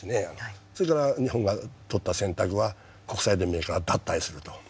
それから日本が取った選択は国際連盟から脱退すると。